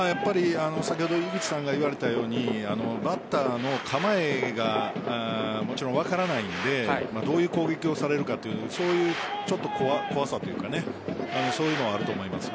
先ほど井口さんが言われたようにバッターの構えがもちろん分からないのでどういう攻撃をされるかという怖さというかそういうのはあると思います。